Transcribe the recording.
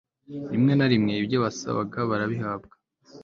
rimwe na rimwe ibyo basabaga barabihabwaga